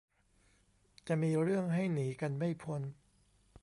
จะมีเรื่องให้หนีกันไม่พ้น